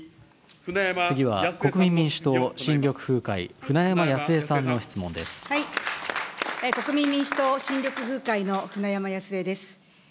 次は国民民主党・新緑風会、国民民主党・新緑風会の舟山康江です。